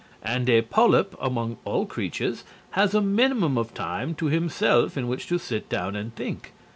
And a polyp, among all creatures, has a minimum of time to himself in which to sit down and think.